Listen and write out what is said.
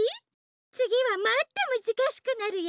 つぎはもっとむずかしくなるよ。